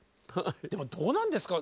でもどうなんですか？